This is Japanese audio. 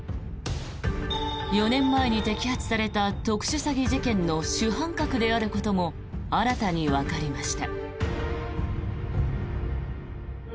４年前に摘発された特殊詐欺事件の主犯格であることも新たにわかりました。